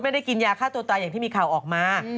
ไม่ได้กินยาฆ่าตัวตายอย่างที่มีข่าวออกมา